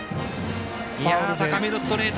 高めのストレート。